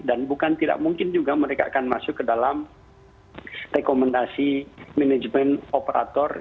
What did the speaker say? dan bukan tidak mungkin juga mereka akan masuk ke dalam rekomendasi manajemen operator